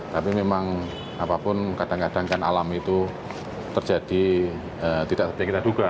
tapi memang apapun kadang kadang kan alam itu terjadi tidak seperti kita duga